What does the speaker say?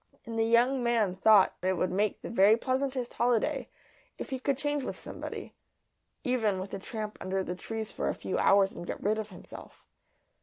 And the young man thought it would make the very pleasantest holiday if he could change with somebody even with the tramp under the trees for a few hours and get rid of himself.